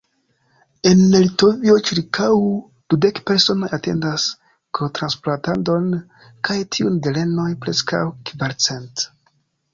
En Litovio ĉirkaŭ dudek personoj atendas kortransplantadon kaj tiun de renoj preskaŭ kvarcent.